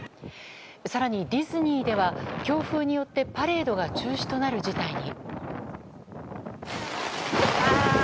更にディズニーでは強風によってパレードが中止となる事態に。